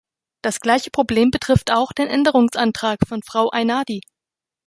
Das gleiche Problem betrifft auch den Änderungsantrag von Frau Ainardi.